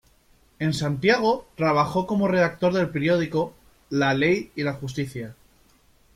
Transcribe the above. En Santiago trabajó como redactor del periódico "La Ley y La Justicia".